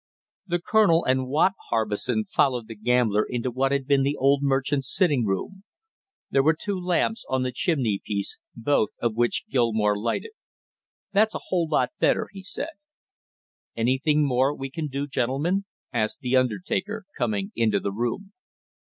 The colonel and Watt Harbison followed the gambler into what had been the old merchant's sitting room. There were two lamps on the chimneypiece, both of which Gilmore lighted. "That's a whole lot better," he said. "Anything more we can do, gentlemen?" asked the undertaker, coming into the room.